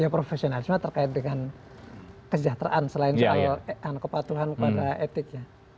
profesionalisme terkait dengan kesejahteraan selain soal kepatuhan kepada etik ya